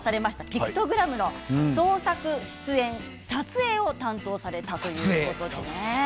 ピクトグラムの創作、出演、撮影を担当されたということですね。